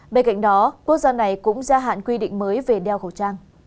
bên cạnh đó quốc gia này cũng gia hạn quy định mới về đeo khẩu trang